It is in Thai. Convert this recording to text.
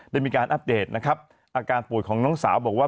ได้มีการอัปเดตนะครับอาการป่วยของน้องสาวบอกว่า